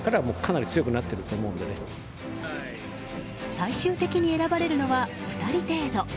最終的に選ばれるのは２人程度。